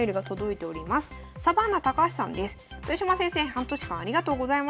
半年間ありがとうございました。